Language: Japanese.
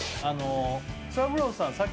あの育三郎さん